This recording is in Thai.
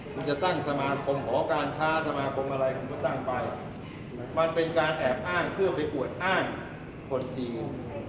คุณจะตั้งสมาคมหอการค้าสมาคมอะไรคุณก็ตั้งไปมันเป็นการแอบอ้างเพื่อไปอวดอ้างคนจีน